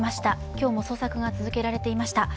今日も捜索が続けられていました。